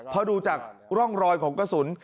พอดูจากร่องรอยของกระสุน